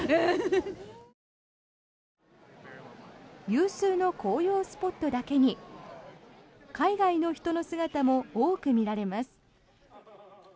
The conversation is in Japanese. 有数の紅葉スポットだけに海外の人の姿も多く見られます。